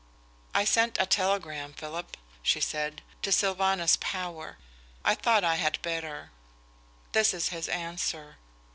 "I sent a telegram, Philip," she said, "to Sylvanus Power. I thought I had better. This is his answer."